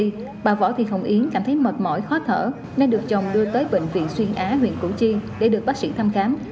trong khi tiêm vaccine bà võ thị hồng yến cảm thấy mệt mỏi khó thở nên được chồng đưa tới bệnh viện xuyên á huyện củ chi để được bác sĩ thăm khám